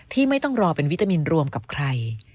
ไม่ต้องรอเป็นวิตามินรวมกับใคร